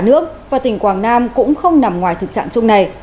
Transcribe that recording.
cả nước và tỉnh quảng nam cũng không nằm ngoài thực trạng chung này